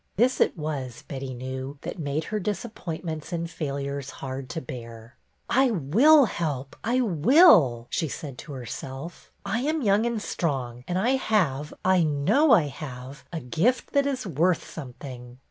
This it was, Betty knew, that made her disappointments and failures hard to bear. '' I will help, I will !" she said to herself. '' I am young and strong, and I have, I know I have, a gift that is worth something."